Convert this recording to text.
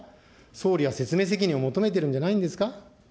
総理は説明責任を求めてるんじゃないですか。